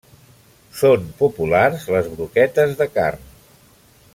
Són populars les broquetes de carn.